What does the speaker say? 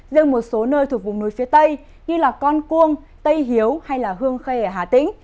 rừng một số nơi thuộc vùng núi phía tây như con cuông tây hiếu hay hương khề hà tĩnh